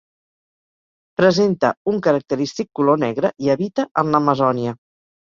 Presenta un característic color negre i habita en l'Amazònia.